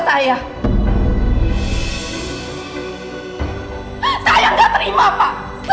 saya gak terima